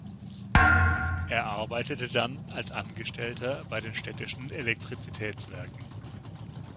Er arbeitete dann als Angestellter bei den Städtischen Elektrizitätswerken.